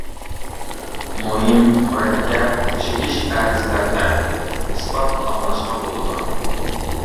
مۇھىم، مۇرەككەپ، چىگىش ئەرزلەردە ئىسپات ئاڭلاشقا بولىدۇ.